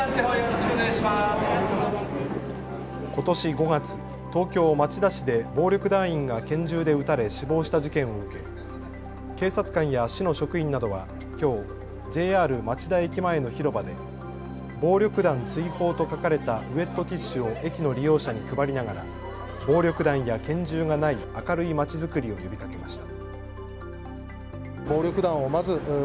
ことし５月、東京町田市で暴力団員が拳銃で撃たれ死亡した事件を受け警察官や市の職員などはきょうＪＲ町田駅前の広場で暴力団追放と書かれたウェットティッシュを駅の利用者に配りながら暴力団や拳銃がない明るいまちづくりを呼びかけました。